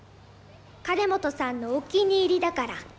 金本さんのお気に入りだから。